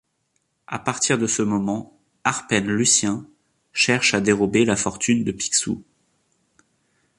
À partir de ce moment, Arpène Lucien cherche à dérober la fortune de Picsou.